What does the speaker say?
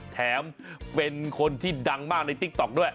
แถมเป็นคนที่ดังมากในติ๊กต๊อกด้วย